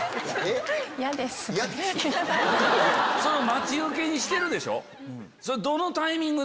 待ち受けにしてるでしょ。